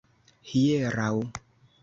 hieraŭ